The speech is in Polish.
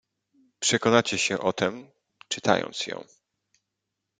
"Przekonacie się o tem, czytając ją."